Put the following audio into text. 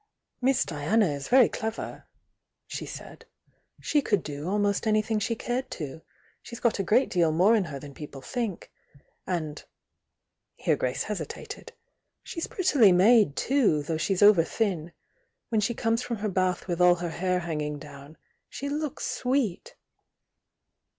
"Miss Diana is very clever —" she said — "She could do almost anything she cared to. She's got a great deal more in her than people think. And" — here Grace hesitated — "she's prettily made, too, _ though she's over thin, — when die comes from her bath with all her hair hanging down, she looks sweet!"